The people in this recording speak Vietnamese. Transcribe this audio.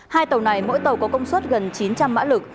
hai tàu này mỗi tàu có công suất gần chín trăm linh mã lực